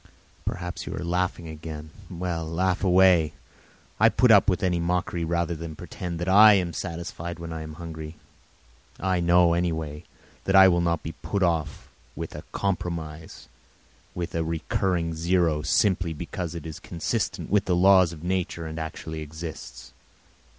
Perhaps you are laughing again? Laugh away; I will put up with any mockery rather than pretend that I am satisfied when I am hungry. I know, anyway, that I will not be put off with a compromise, with a recurring zero, simply because it is consistent with the laws of nature and actually exists.